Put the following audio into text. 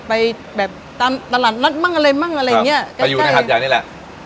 ไปแบบตามตลาดนัดมั่งอะไรมั่งอะไรอย่างเงี้ยก็อยู่ในหัดใหญ่นี่แหละ